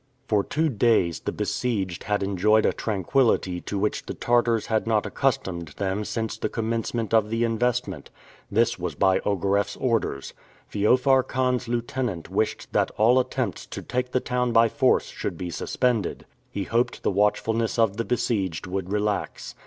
For two days the besieged had enjoyed a tranquillity to which the Tartars had not accustomed them since the commencement of the investment. This was by Ogareff's orders. Feofar Khan's lieutenant wished that all attempts to take the town by force should be suspended. He hoped the watchfulness of the besieged would relax.